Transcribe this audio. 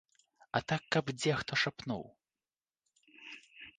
А так каб дзе хто шапнуў.